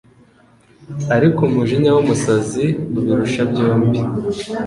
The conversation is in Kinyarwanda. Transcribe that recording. ariko umujinya w’umusazi ubirusha byombi